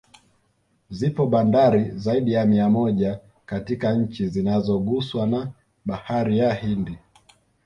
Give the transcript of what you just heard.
Zipo bandari zaidi ya mia moja katika chi zinazoguswa na Bahari ya Hindi